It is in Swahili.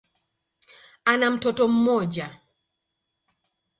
Ana mtoto mmoja.